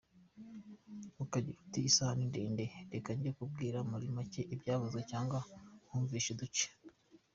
Ukagira uti isaha ni ndende reka njye kubwira muri make ibyavuzwe cyangwa nkumvishe uduce.